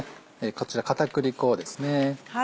こちら片栗粉ですね。